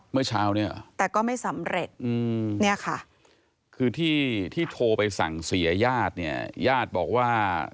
เมื่อเช้าเนี่ยแต่ก็ไม่สำเร็จเนี่ยค่ะ